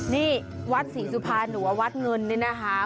นี่วัดศรีสุพรรณหรือว่าวัดเงินนี่นะคะ